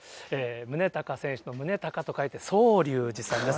宗隆選手の宗隆と書いて宗隆寺さんです。